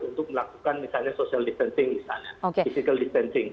untuk melakukan misalnya social distancing di sana physical distancing